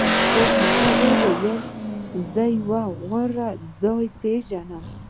خو هغه وویل زه یو غوره ځای پیژنم